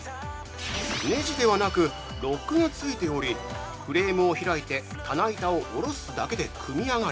ネジではなくロックがついておりフレームを開いて棚板を下ろすだけで組み上がる